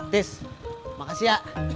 tis makasih ya